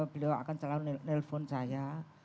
beliau akan selalu nelfon saya